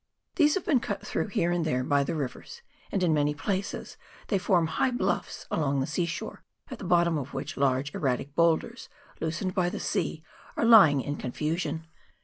These have been cut through here and there by the rivers, and, in many places, they form high bluffs along the sea shore, at the bottom of which large erratic boulders, loosened by the sea, are lying in confusion.